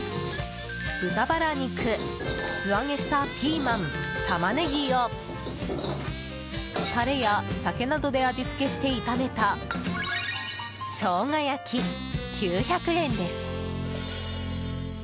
豚バラ肉素揚げしたピーマン、タマネギをタレや酒などで味付けして炒めた生姜焼き、９００円です。